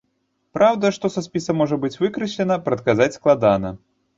Праўда, што са спіса можа быць выкраслена, прадказаць складана.